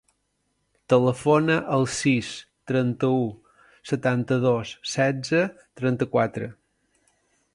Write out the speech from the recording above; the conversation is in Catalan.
Telefona al sis, trenta-u, setanta-dos, setze, trenta-quatre.